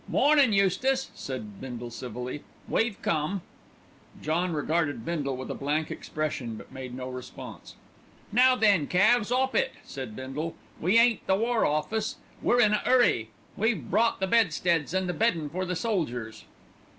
"Mornin', Eustace," said Bindle civilly, "we've come." John regarded Bindle with a blank expression, but made no response. "Now then, Calves, 'op it!" said Bindle. "We ain't the War Office, we're in an 'urry. We've brought the bedsteads and the beddin' for the soldiers."